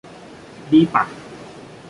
ดีป่ะ ?